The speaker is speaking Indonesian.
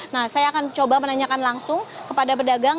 nah saya akan coba menanyakan langsung kepada pedagang